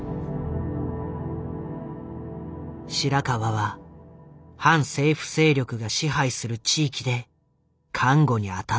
白川は反政府勢力が支配する地域で看護に当たっていた。